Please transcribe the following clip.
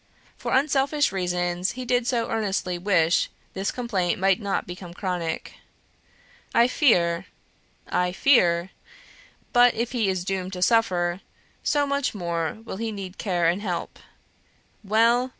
For unselfish reasons he did so earnestly wish this complaint might not become chronic. I fear I fear; but if he is doomed to suffer, so much the more will he need care and help. Well!